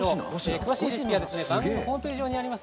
詳しいレシピは番組ホームページ上にあります